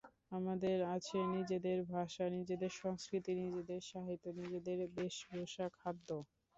আমাদের আছে নিজেদের ভাষা, নিজেদের সংস্কৃতি, নিজেদের সাহিত্য, নিজেদের বেশভূষা, খাদ্য।